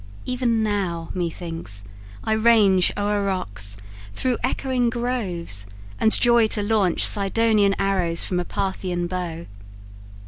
Even now, methinks, I range O'er rocks, through echoing groves, and joy to launch Cydonian arrows from a Parthian bow.